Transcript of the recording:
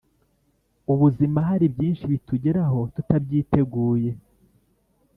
Ubuzima haribyinshi bitugeraho tutabyiteguye